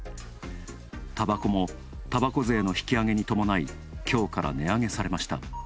たばこも、たばこ税の引き上げに伴いきょうから値上げされました。